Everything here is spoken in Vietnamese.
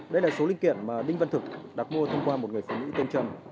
đây là số linh kiện mà đinh văn thực đặt mua thông qua một người phụ nữ tên trâm